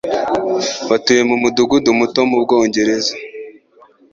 Batuye mu mudugudu muto mu Bwongereza.